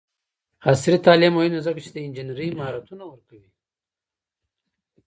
عصري تعلیم مهم دی ځکه چې د انجینرۍ مهارتونه ورکوي.